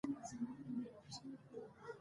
هوا د افغانستان طبعي ثروت دی.